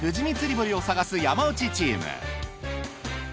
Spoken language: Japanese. ぼりを探す山内チーム。